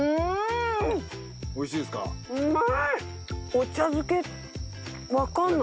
お茶漬けわかんない。